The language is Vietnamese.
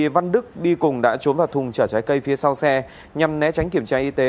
văn đức đi cùng đã trốn vào thùng trở trái cây phía sau xe nhằm né tránh kiểm tra y tế